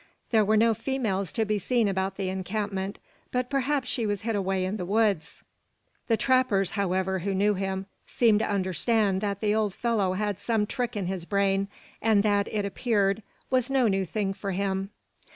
There were no females to be seen about the encampment, but perhaps she was hid away in the woods. The trappers, however, who knew him, seemed to understand that the old fellow had some trick in his brain; and that, it appeared, was no new thing for him.